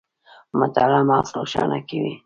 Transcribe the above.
مطالعه مغز روښانه کوي